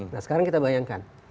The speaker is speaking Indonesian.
nah sekarang kita bayangkan